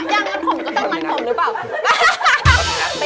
ยังนั้นผมก็ต้องมัดผมรึเปล่า